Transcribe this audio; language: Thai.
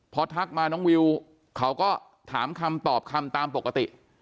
พอทักมาน้องวิวเขาก็ถามคำตอบคำตามปกติ